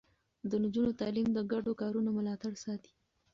د نجونو تعليم د ګډو کارونو ملاتړ ساتي.